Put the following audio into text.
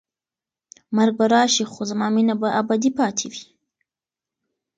مرګ به راشي خو زما مینه به ابدي پاتې وي.